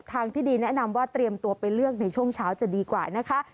ทางที่ดีแนะนำว่าเตรียมตัวไปเลือกในช่วงเช้าจะดีกว่านะคะ